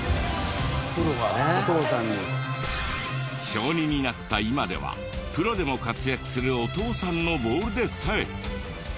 小２になった今ではプロでも活躍するお父さんのボールでさえ。